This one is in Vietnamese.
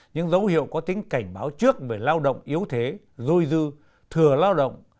những dấu hiệu có tính cảnh báo trước về lao động yếu thế dôi dư thừa lao động